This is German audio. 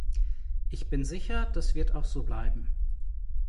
Ich bin sicher, das wird auch so bleiben.